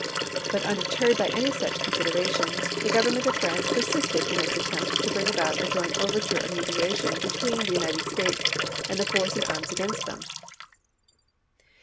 But unde terred by any such considerations, the Grovernment of France persisted in its attempt to bring about a joint overture of mediation between the United States and the force in arms against them.